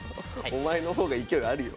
お前のほうが勢いがあるよ。